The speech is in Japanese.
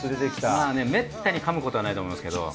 まあねめったに噛むことはないと思いますけど。